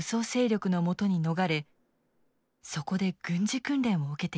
そこで軍事訓練を受けていました。